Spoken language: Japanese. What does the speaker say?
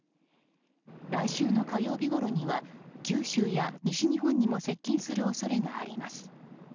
来週の火曜日ごろには九州や西日本にも接近する恐れがあります。